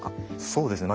そうですね